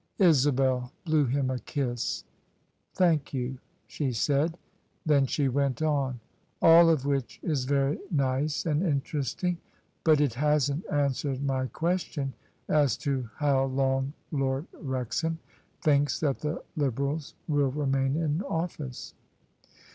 " Isabel blew him a kiss. " Thank you," she said. Then she went on, " All of which is very nice and interesting, but it hasn't ansyi^ered my question as to how long Lord Wrex ham thinks that the Liberals will remain in office."